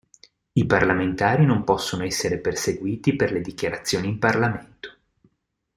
I parlamentari non possono essere perseguiti per le dichiarazioni in Parlamento.